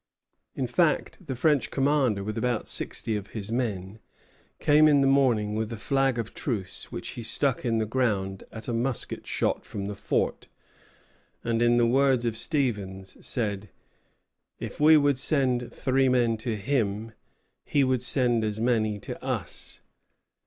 In fact, the French commander, with about sixty of his men, came in the morning with a flag of truce, which he stuck in the ground at a musket shot from the fort, and, in the words of Stevens, "said, if we would send three men to him, he would send as many to us."